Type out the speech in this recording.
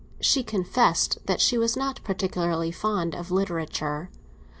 She confessed that she was not particularly fond of literature.